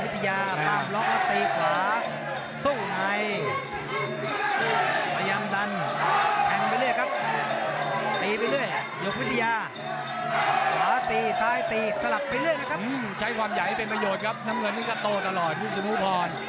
ตัวนิดนึงกว่าวิสุนุพร